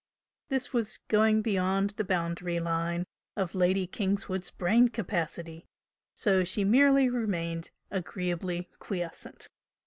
This was going beyond the boundary line of Lady Kingswood's brain capacity, so she merely remained agreeably quiescent.